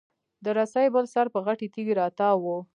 د رسۍ بل سر په غټې تېږي راتاو و.